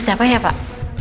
siapa ya pak